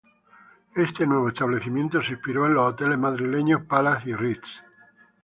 Este nuevo establecimiento se inspiró en los hoteles madrileños Palace y Ritz.